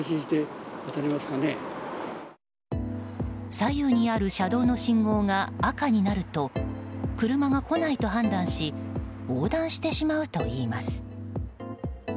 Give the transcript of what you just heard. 左右にある車道の信号が赤になると車が来ないと判断し横断してしまうといいます。